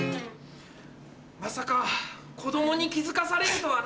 まさか子供に気付かされるとはな。